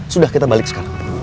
sudah kita balik sekarang